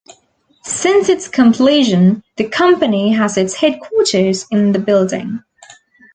Since its completion, the company has its headquarters in the building.